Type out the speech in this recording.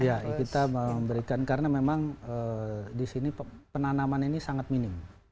ya kita memberikan karena memang di sini penanaman ini sangat minim